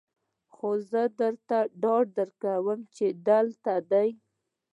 خو زه درته ډاډ درکوم چې دا هلته دی